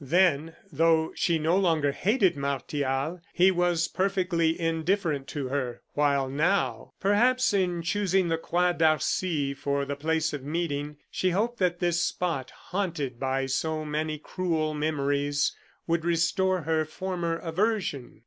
Then, though she no longer hated Martial, he was perfectly indifferent to her, while now Perhaps in choosing the Croix d'Arcy for the place of meeting, she hoped that this spot, haunted by so many cruel memories, would restore her former aversion.